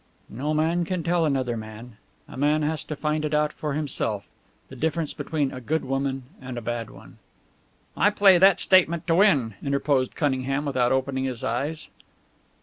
"No man can tell another man; a man has to find it out for himself the difference between a good woman and a bad one." "I play that statement to win," interposed Cunningham without opening his eyes.